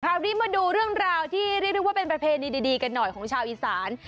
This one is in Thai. คราวนี้มาดูเรื่องราวที่เรียกได้ว่าเป็นประเพณีดีกันหน่อยของชาวอีสาน